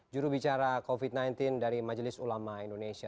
jurubicara covid sembilan belas dari majelis ulama indonesia